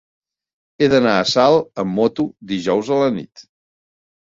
He d'anar a Salt amb moto dijous a la nit.